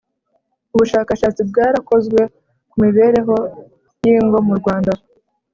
Ubushakashatsi bwarakozwe kumibereho yingo mu rwanda